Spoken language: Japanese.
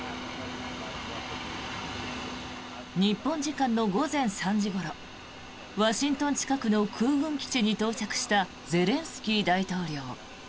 日本時間の午前３時ごろワシントン近くの空軍基地に到着したゼレンスキー大統領。